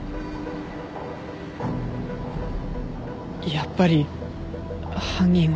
やっぱり犯人は。